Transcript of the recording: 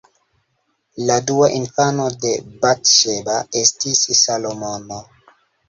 La dua infano de Bat-Ŝeba estis Salomono.